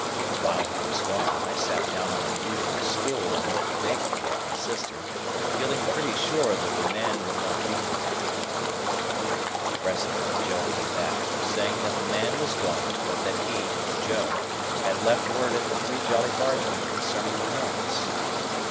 While he was gone, I sat down on my usual stool and looked vacantly at my sister, feeling pretty sure that the man would not be there. Presently, Joe came back, saying that the man was gone, but that he, Joe, had left word at the Three Jolly Bargemen concerning the notes.